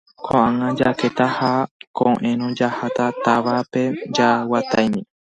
ko'ág̃a jakéta ha ko'ẽrõ jaháta távape jaguatami.